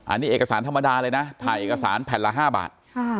อันนี้เอกสารธรรมดาเลยนะถ่ายเอกสารแผ่นละ๕บาท